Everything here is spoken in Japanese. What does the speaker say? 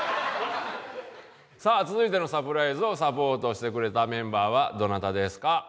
さあ続いてのサプライズをサポートしてくれたメンバーはどなたですか。